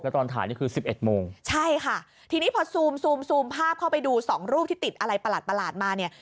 ตอนถ่ายนี่คือสิบเอ็ดโมงใช่ค่ะทีนี้พอซูมซูมซูมภาพเข้าไปดูสองรูปที่ติดอะไรประหลาดประหลาดมาเนี่ย